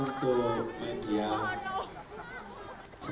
jantro harus menyedihkan ketatangan k rosa